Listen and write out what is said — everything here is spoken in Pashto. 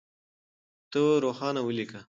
ته روښانه وليکه.